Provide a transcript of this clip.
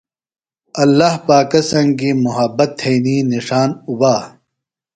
ﷲ پاکہ سنگیۡ محبت تھئینی نِݜان اُبا۔